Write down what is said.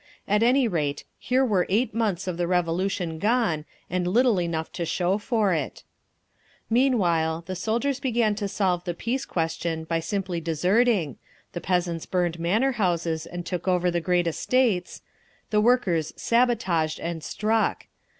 At any rate, here were eight months of the Revolution gone, and little enough to show for it…. Meanwhile the soldiers began to solve the peace question by simply deserting, the peasants burned manor houses and took over the great estates, the workers sabotaged and struck….